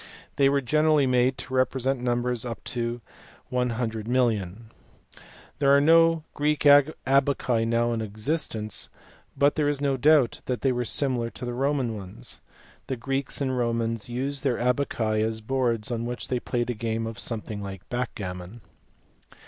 They were generally made to represent numbers up to 100,000000. There are no Greek abaci now in existence but there is no doubt that they were similar to the Roman ones. The Greeks and Romans used their abaci as boards on which they played a game something like backgammon.